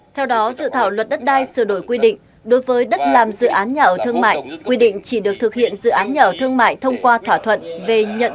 theo đó dự thảo luật đất đai sửa đổi quy định đối với đất làm dự án nhà ở thương mại quy định chỉ được thực hiện dự án nhà ở thương mại thông qua thỏa thuận về nhận